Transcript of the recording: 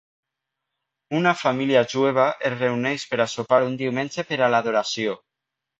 Una família jueva es reuneix per a sopar un diumenge per a l'adoració.